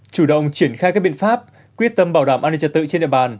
chủ động triển khai các biện pháp quyết tâm bảo đảm an ninh trật tự trên địa bàn